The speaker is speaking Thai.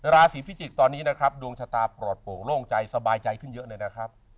ราศีพิจิกษ์ตอนนี้นะครับดวงชะตาปลอดโปร่งโล่งใจสบายใจขึ้นเยอะเลยนะครับ